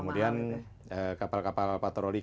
kemudian kapal kapal patroli